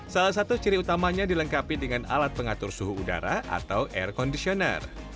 salah satu ciri utamanya dilengkapi dengan alat pengatur suhu udara atau air conditioner